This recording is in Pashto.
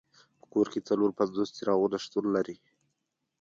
په کور کې څلور پنځوس څراغونه شتون لري.